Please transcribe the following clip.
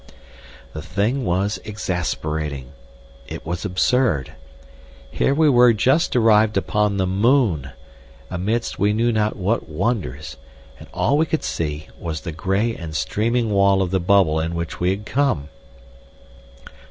The thing was exasperating—it was absurd. Here we were just arrived upon the moon, amidst we knew not what wonders, and all we could see was the grey and streaming wall of the bubble in which we had come.